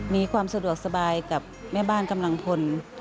มีความสะดวกสบายกับแม่บ้านกำลังพล